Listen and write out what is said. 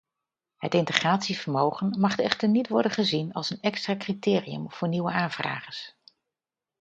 Het integratievermogen mag echter niet worden gezien als een extra criterium voor nieuwe aanvragers.